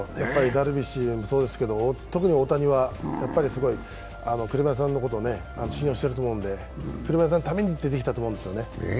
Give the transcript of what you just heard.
ダルビッシュもそうですけど特に大谷は栗山さんのことをすごく信用してると思うので栗山さんのために出てきたと思うんですよね。